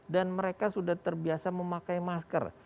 dan mereka sudah terbiasa memakai masker